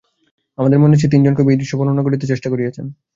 আমাদের মনে আছে, তিনজন কবি এই দৃশ্য বর্ণনা করিতে চেষ্টা করিয়াছেন।